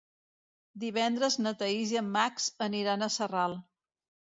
Divendres na Thaís i en Max aniran a Sarral.